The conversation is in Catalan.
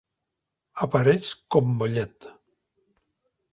Apareix com Mollet.